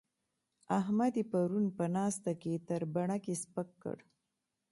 احمد يې پرون په ناسته کې تر بڼکې سپک کړ.